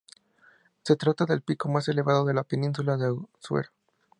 Se trata del pico más elevado de la península de Azuero.